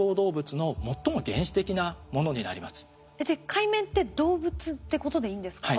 カイメンって動物ってことでいいんですか？